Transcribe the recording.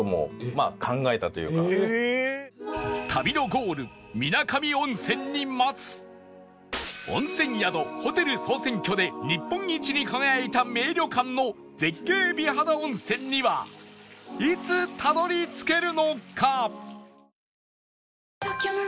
旅のゴール水上温泉に待つ温泉宿・ホテル総選挙で日本一に輝いた名旅館の絶景美肌温泉にはいつたどり着けるのか？